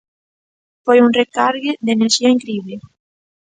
Foi un recargue de enerxía incrible.